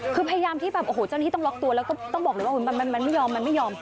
คือพยายามที่แบบโอ้โหเจ้าหน้าที่ต้องล็อกตัวแล้วก็ต้องบอกเลยว่ามันไม่ยอมมันไม่ยอม